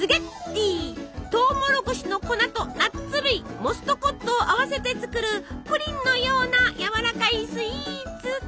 トウモロコシの粉とナッツ類モストコットを合わせて作るプリンのようなやわらかいスイーツ。